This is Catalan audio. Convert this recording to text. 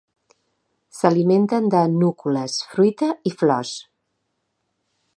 S'alimenten de núcules, fruita i flors.